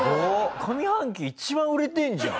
上半期一番売れてるじゃん！